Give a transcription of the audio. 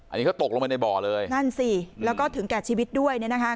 อันนี้เขาตกลงไปในบ่อเลยนั่นสิแล้วก็ถึงแก่ชีวิตด้วยเนี่ยนะคะ